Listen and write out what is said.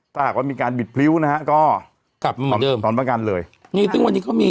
ถ้าอยากว่ามีการบิดพริ้วนะฮะก็